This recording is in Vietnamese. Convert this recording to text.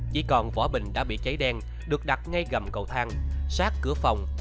chỉ còn vỏ bình đã bị cháy đen được đặt ngay gầm cầu thang